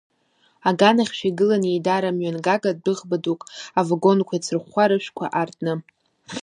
Аганахьшәа игылан еидара мҩангага дәыӷба дук, авагонқәа еицрыхәхәа, рышәқәа аар-тны.